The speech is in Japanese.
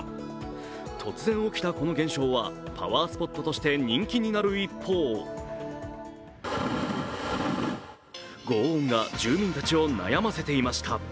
突然起きたこの現象はパワースポットとして人気になる一方、ごう音が住民たちを悩ませていました。